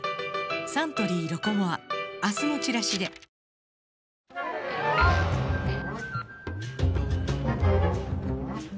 サントリー「ロコモア」明日のチラシでお天気です。